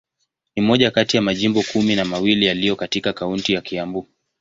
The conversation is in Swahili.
Ni moja kati ya majimbo kumi na mawili yaliyo katika kaunti ya Kiambu.